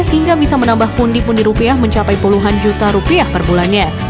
hingga bisa menambah pundi pundi rupiah mencapai puluhan juta rupiah per bulannya